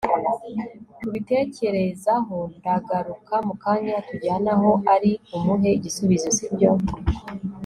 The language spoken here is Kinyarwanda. ubitekerezaho ndagaruka mukanya tujyane aho ari umuhe igisubizo Sibyo